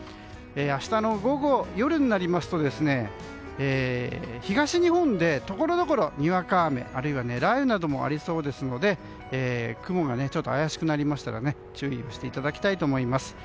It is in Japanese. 明日の午後、夜になりますと東日本でところどころ、にわか雨あるいは雷雨などもありそうですので雲がちょっと怪しくなりましたら注意をしていただきたいです。